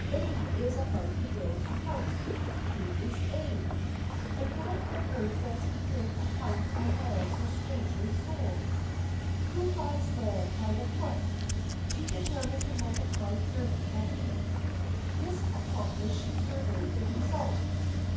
" A is about to build a house." Who is A? And why on earth does he build a house on land so strangely sold ? Who buys land by the foot ? She deter mined to multiply thirty by eight. This ac complished, she surveyed the result.